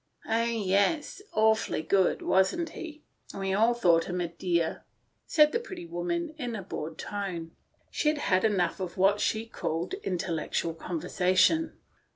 "Oh, yes. Awfully good — wasn't he? We all thought him a dear," said the pretty woman in a bored tone. She had had enough of what she called intellectual conversation.